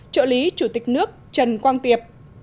trợ lý chủ tịch nước trần quang tiệp